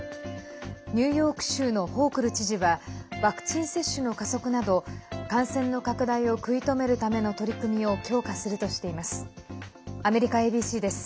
ニューヨーク州のホークル知事はワクチン接種の加速など感染の拡大を食い止めるための取り組みを強化するとしています。